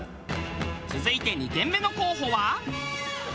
続いて２軒目の候補は。